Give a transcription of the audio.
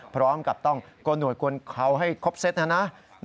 พร้อมกับต้องกดหน่วยกลลเขาให้ครบเส้นนะ